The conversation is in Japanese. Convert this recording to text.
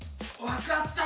分かった。